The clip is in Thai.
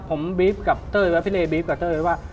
พี่เรยบรีฟกับเต้ยว่าพี่เรยบรีฟกับเต้ยว่า